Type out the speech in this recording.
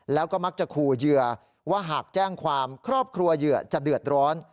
แล้วก็มักจะขู่เหยื่อว่าหากแจ้งความครอบครัวเหยื่อจะเดือดร้อน